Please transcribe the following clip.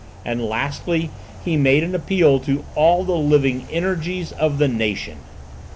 And, lastly, he made an appeal to "all the living energies of the nation!"